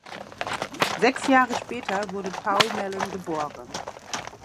Sechs Jahre später wurde Paul Mellon geboren.